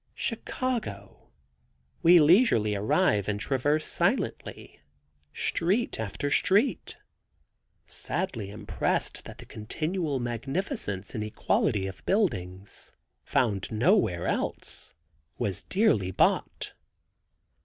Chicago! We leisurely arrive and traverse silently, street after street, sadly impressed that the continuous magnificence in equality of buildings, found nowhere else, was dearly bought.